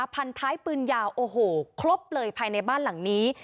พันท้ายปืนยาวโอ้โหครบเลยภายในบ้านหลังนี้